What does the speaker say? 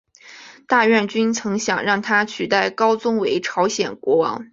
大院君曾想让他取代高宗为朝鲜国王。